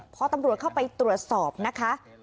พอตำรวจเข้าไปตรวจสอบนะคะ